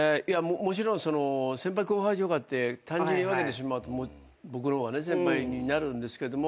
もちろん先輩後輩って単純に分けてしまうと僕の方が先輩になるんですけども。